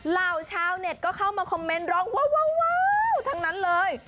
เหล่าชาวเน็ตก็เข้ามาคอมเมนต์ร้องว้าวทั้งนั้นเลย